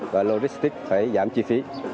và logistic phải giảm chi phí